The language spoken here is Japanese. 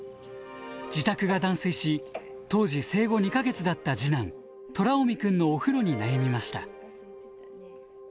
自宅が断水し当時生後２か月だった次男虎臣くんのお風呂に悩みました。